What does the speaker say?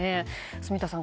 住田さん